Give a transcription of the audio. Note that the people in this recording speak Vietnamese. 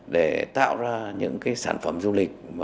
để tạo ra những sản phẩm du lịch